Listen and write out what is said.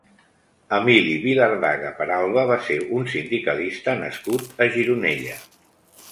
Emili Vilardaga Peralba va ser un sindicalista nascut a Gironella.